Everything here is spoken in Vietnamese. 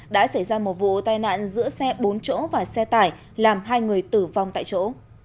đã xảy ra một vụ tai nạn giữa xe bốn chỗ và xe tải làm hai người tử vong tại chỗ